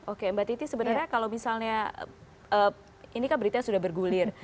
oke mbak titi sebenarnya kalau misalnya ini kan berita sudah bergulir